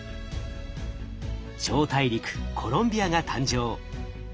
超大陸コロンビアが誕生。